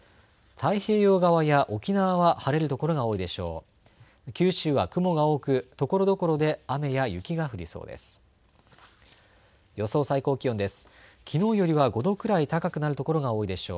太平洋側や沖縄は晴れる所が多いでしょう。